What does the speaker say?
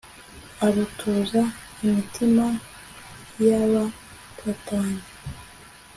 arutuza imitima y'abatatanye